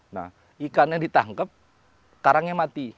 nah ikan yang ditangkap karangnya mati